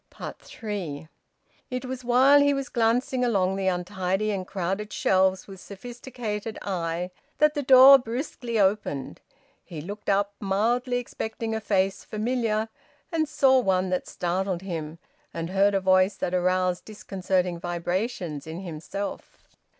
THREE. It was while he was glancing along the untidy and crowded shelves with sophisticated eye that the door brusquely opened. He looked up mildly, expecting a face familiar, and saw one that startled him, and heard a voice that aroused disconcerting vibrations in himself.